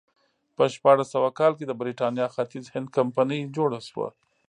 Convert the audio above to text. په شپاړس سوه کال کې د برېټانیا ختیځ هند کمپنۍ جوړه شوه.